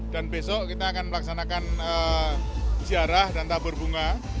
dan besok kita akan melaksanakan siarah dan tabur bunga